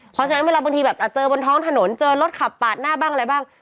เพราะฉะนั้นเวลาบางทีแบบเจอบนท้องถนนเจอรถขับปาดหน้าบ้างอะไรบ้าง